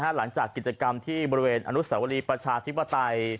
หลังจากกิจกรรมที่บริเวณอนุสาวรีประชาธิปไตย